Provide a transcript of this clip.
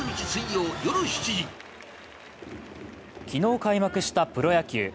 昨日開幕したプロ野球。